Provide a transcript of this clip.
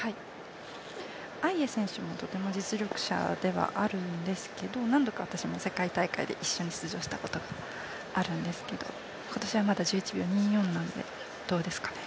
アイエ選手も実力者ではあるんですけど、何度か私も世界大会で一緒に出場したことがあるんですけど今年はまだ１１秒２４なんで、どうですかね。